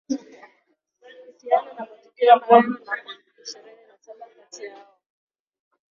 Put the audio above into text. siana na matukio hayo na kwamba ishirini na saba kati yao